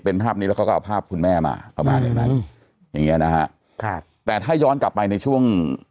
เป็นภาพนี้แล้วเขาก็เอาภาพคุณแม่มาเข้าบ้านอย่างเงี้ยนะฮะแต่ถ้าย้อนกลับไปในช่วง